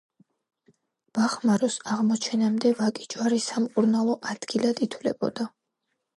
ბახმაროს აღმოჩენამდე ვაკიჯვარი სამკურნალო ადგილად ითვლებოდა.